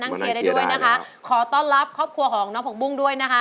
ครั้งที่แล้วเป็นอย่างไรคะ